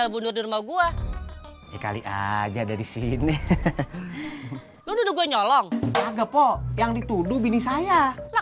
bunur di rumah gua kali aja dari sini itu gua nyolong kepo yang dituduh bini saya lah